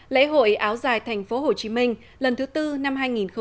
lễ hội áo dài thành phố hồ chí minh lần thứ tư năm hai nghìn một mươi bảy